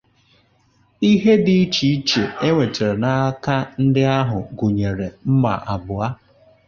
ihe dị iche iche e nwetara n'aka ndị ahụ gụnyere mmà abụọ